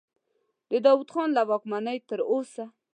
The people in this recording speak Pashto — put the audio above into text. د داود خان له واکمنۍ تر اوسه.